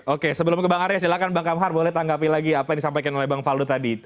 oke sebelum ke bang arya silahkan bang kamhar boleh tanggapi lagi apa yang disampaikan oleh bang faldo tadi